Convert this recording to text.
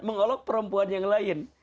mengolok perempuan yang lain